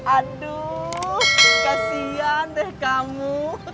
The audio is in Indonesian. aduh kasihan deh kamu